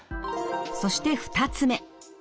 そして２つ目。